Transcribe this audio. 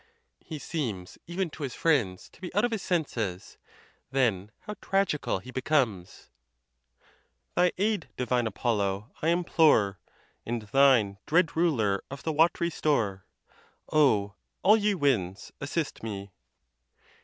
He seems even to his friends to be out of his senses: then how tragical he becomes ! Thy aid, divine Apollo, I implore, And thine, dread ruler of the wat'ry store! Oh! all ye winds, assist me!